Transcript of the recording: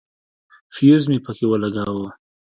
فيوز مې پکښې ولګاوه.